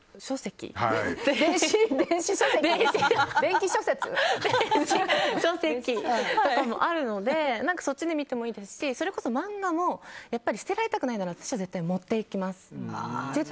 今は電子書籍とかもあるのでそっちで見てもいいですしそれこそ漫画も捨てられたくないなら私は絶対持っていきます。